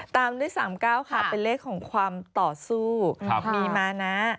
ตามด้วย๓๙ค่ะเป็นเลขของความต่อสู้มีมานะ